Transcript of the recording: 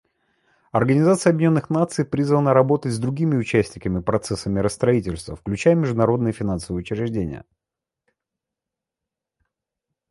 Организация Объединенных Наций призвана работать с другими участниками процесса миростроительства, включая международные финансовые учреждения.